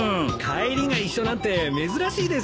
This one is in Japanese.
帰りが一緒なんて珍しいですよね。